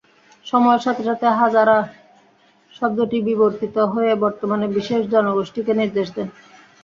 সময়ের সাথে সাথে, "হাজারা" শব্দটি বিবর্তিত হয়ে বর্তমানে বিশেষ জনগোষ্ঠীকে নির্দেশ করে।